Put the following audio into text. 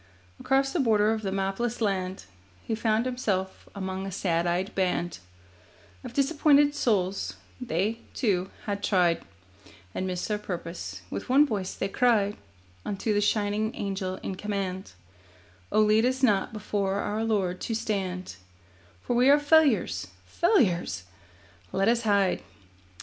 Across the border of the mapless land He found himself among a sad eyed band Of disappointed souls; they, too, had tried And missed their purpose. With one voice they cried Unto the shining Angel in command: 'Oh, lead us not before our Lord to stand, For we are failures, failures! Let us hide.